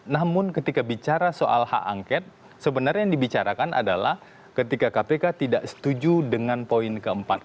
namun ketika bicara soal hak angket sebenarnya yang dibicarakan adalah ketika kpk tidak setuju dengan poin keempat